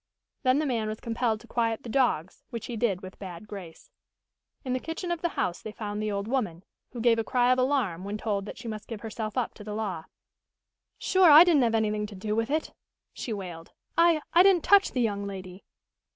Then the man was compelled to quiet the dogs, which he did with bad grace. In the kitchen of the house they found the old woman, who gave a cry of alarm when told that she must give herself up to the law. "Sure, I didn't have anything to do with it!" she wailed. "I I didn't touch the young lady!"